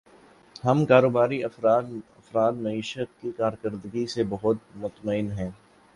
ہم کاروباری افراد معیشت کی کارکردگی سے بہت مطمئن ہیں